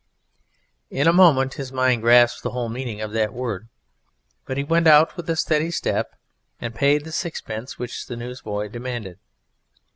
In a moment his mind grasped the whole meaning of that word; but he went out with a steady step, and paid the sixpence which the newsboy demanded.